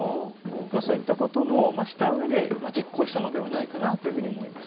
そういったこともしたうえで実行したのではないかなというふうに思います。